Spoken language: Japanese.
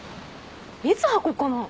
いつ履こっかな。